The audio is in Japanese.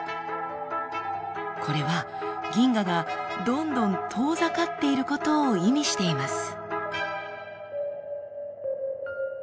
これは銀河がどんどん遠ざかっていることを意味しています。